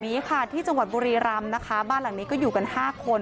นี้ค่ะที่จังหวัดบุรีรำนะคะบ้านหลังนี้ก็อยู่กันห้าคน